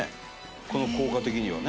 この硬貨的にはね。